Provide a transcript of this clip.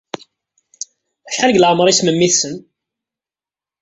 Acḥal deg leɛmeṛ-nsen memmi-tsen?